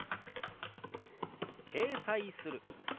「掲載する」。